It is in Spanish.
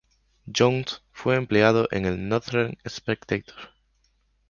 Jones fue empleado en el "Northern Spectator".